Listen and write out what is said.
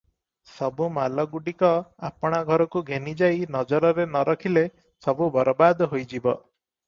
ସବୁ ମାଲଗୁଡିକ ଆପଣା ଘରକୁ ଘେନି ଯାଇ ନଜରରେ ନ ରଖିଲେ ସବୁ ବରବାଦ ହୋଇଯିବ ।"